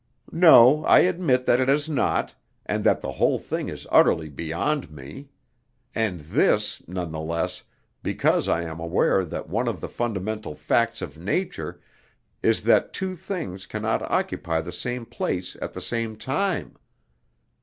"No, I admit that it has not, and that the whole thing is utterly beyond me; and this, none the less, because I am aware that one of the fundamental facts of nature is that two things can not occupy the same space at the same time.